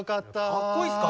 かっこいいっすか？